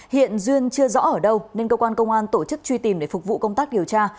hiện duyên chưa rõ ở đâu nên cơ quan công an tổ chức truy tìm để phục vụ công tác điều tra